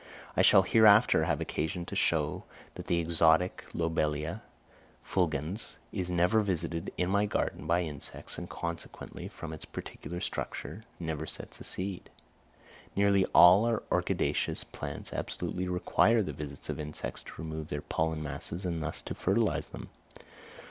I shall hereafter have occasion to show that the exotic Lobelia fulgens is never visited in my garden by insects, and consequently, from its peculiar structure, never sets a seed. Nearly all our orchidaceous plants absolutely require the visits of insects to remove their pollen masses and thus to fertilise them.